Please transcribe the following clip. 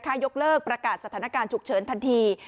ยกเลิกประกาศสถานการณ์ฉุกเฉินทันที